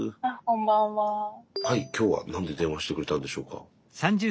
はいきょうは何で電話してくれたんでしょうか？